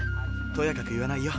とやかく言わないよ。